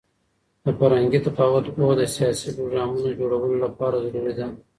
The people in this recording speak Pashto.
د فرهنګي تفاوت پوهه د سیاسي پروګرامونو جوړولو لپاره ضروري ده.